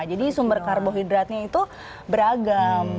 jadi sumber karbohidratnya itu beragam